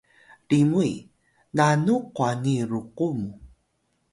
Rimuy: nanu kwani ruku mu